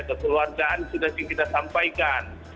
kekeluargaan sudah kita sampaikan